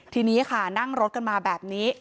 ทีนี้ค่ะนั่งรถกันมาแบบนี้